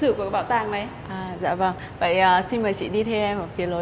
có khi tôi đến bảo tàng vì hình thành của mẹ mình không có mặt ở ngôi nhà xuống